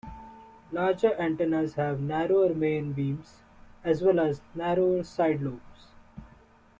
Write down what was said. Larger antennas have narrower main beams, as well as narrower sidelobes.